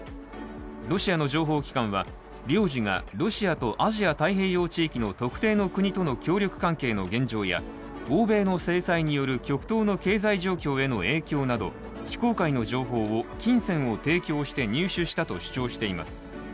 ロシアの情報機関は領事がロシアとアジア太平洋地域の特定の国との協力関係の現状や欧米の制裁による極東の経済状況などへの影響など、非公開の情報を金銭を提供して入手したと主張しています。